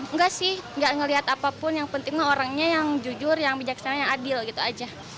nggak sih nggak ngelihat apapun yang penting orangnya yang jujur yang bijaksana yang adil gitu aja